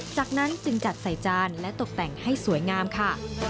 จากนั้นจึงจัดใส่จานและตกแต่งให้สวยงามค่ะ